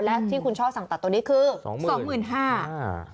แล้วที่คุณช่อสั่งตัดตัวนี้คือ๒๕๐๐๐บาท